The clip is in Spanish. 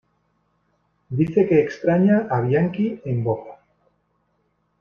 Dice que extraña a Bianchi en Boca.